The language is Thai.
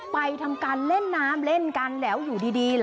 ไปทำการเล่นน้ำเล่นกันแล้วอยู่ดีล่ะ